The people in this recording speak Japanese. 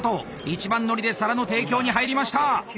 一番乗りで皿の提供に入りました！